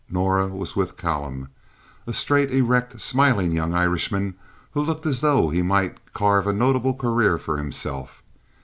Norah was with Callum, a straight, erect, smiling young Irishman, who looked as though he might carve a notable career for himself.